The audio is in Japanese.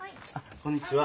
こんにちは。